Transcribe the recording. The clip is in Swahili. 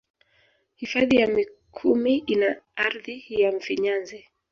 Hifadhi ya mikumi ina ardhi ya mfinyanzi